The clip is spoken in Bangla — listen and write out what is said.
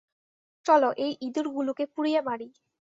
চলো, এই ইঁদুরগুলোকে পুড়িয়ে মারি।